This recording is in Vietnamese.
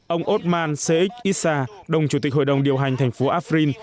ông othman seix issa đồng chủ tịch hội đồng điều hành thành phố afrin